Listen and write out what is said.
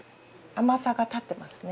甘さが立ってますね。